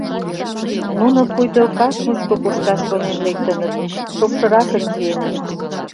Нуно пуйто кас мучко кошташ шонен лектыныт, шокшыракын чиеныт.